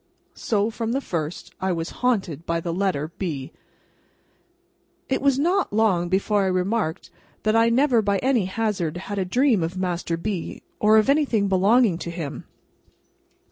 So, from the first, I was haunted by the letter B. It was not long before I remarked that I never by any hazard had a dream of Master B., or of anything belonging to him.